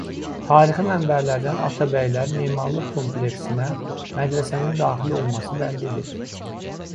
Tarixi mənbələrdən Atabəylər memarlıq kompleksinə mədrəsənin daxil olması bəllidir.